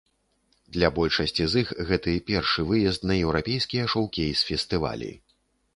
Для большасці з іх гэты першы выезд на еўрапейскія шоўкейс-фестывалі.